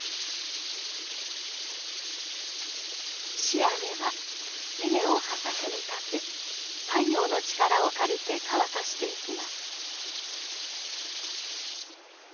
仕上げは稲をはさ木に掛け太陽の力を借りて乾かしていきます。